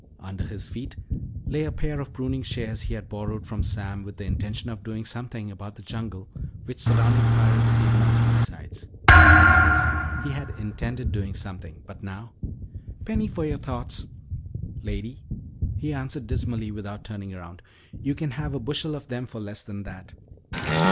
Under his feet lay a pair of pruning shears he had borrowed from Sam with the intention of doing something about the jungle which surrounded Pirate's Haven on three sides. That is, he had intended doing something, but now "Penny for your thoughts." "Lady," he answered dismally without turning around, "you can have a bushel of them for less than that."